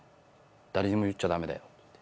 誰にも言っちゃだめだよって。